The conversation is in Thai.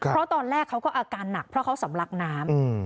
เพราะตอนแรกเขาก็อาการหนักเพราะเขาสำลักน้ำ